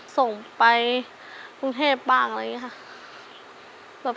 ส่งไปกรุงเทพบ้างอะไรอย่างนี้ค่ะ